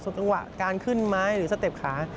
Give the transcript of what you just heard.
ส่วนจังหวะการขึ้นไม้หรือสเต็ปขา